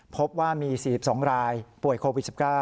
พบว่ามี๔๒รายป่วยโควิด๑๙